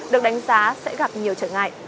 được đánh giá sẽ gặp nhiều trở ngại